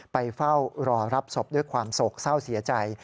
ไปเฝ้ารอรับศพด้วยความโศกเศร้าเสียใจ